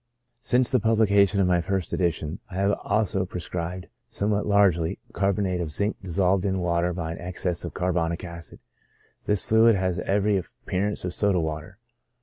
Since the publication of my first edition, I have also pre scribed, somewhat largely, carbonate of zinc dissolved in water by an excess of carbonic acid. This fluid has every appearance of soda water.